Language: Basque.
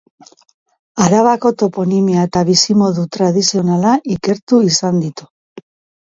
Arabako toponimia eta bizimodu tradizionala ikertu izan ditu.